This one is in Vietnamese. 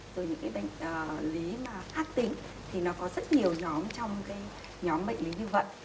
rồi những cái bệnh lý mà khác tính thì nó có rất nhiều nhóm trong cái nhóm bệnh lý lưu vận